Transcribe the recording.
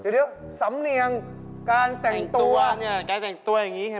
เดี๋ยวสำเนียงการแต่งตัว